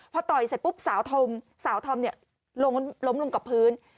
พอต่อยเสร็จปุ๊บสาวธอมลงลงกับพื้น